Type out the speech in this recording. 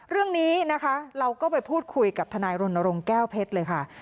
เรื่องนี้นะคะเราก็ไปพูดคุยกับทนายรณรงค์แก้วเพชรเลยค่ะ